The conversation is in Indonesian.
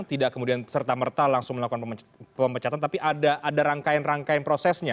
tidak kemudian serta merta langsung melakukan pemecatan tapi ada rangkaian rangkaian prosesnya